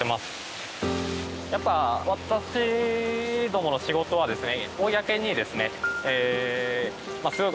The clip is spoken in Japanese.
やっぱり私どもの仕事はですね。